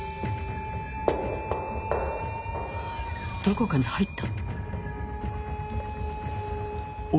どこかに入った